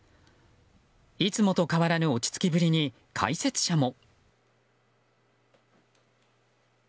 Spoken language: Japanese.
いつもと変わらぬ落ち着きぶりに解説者も。